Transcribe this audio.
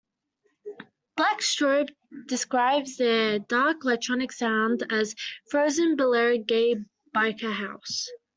Black Strobe describe their dark electronic sound as "frozen balearic gay biker house".